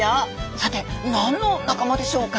さて何の仲間でしょうか？